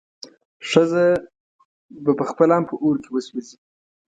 ښځه به پخپله هم په اور کې وسوځي.